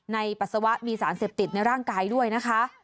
ปัสสาวะมีสารเสพติดในร่างกายด้วยนะคะ